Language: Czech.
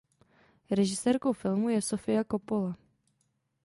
Režisérkou filmu je Sofia Coppola.